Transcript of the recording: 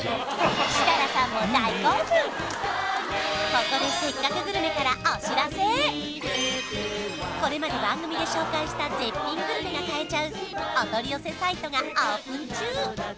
ここで「せっかくグルメ！！」からお知らせこれまで番組で紹介した絶品グルメが買えちゃうお取り寄せサイトがオープン中